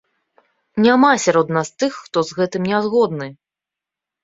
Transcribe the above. Няма сярод нас тых, хто з гэтым нязгодны!